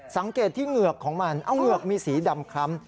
สังเกตที่เหงือกของมันเอาเหงือกมีสีดำคล้ำ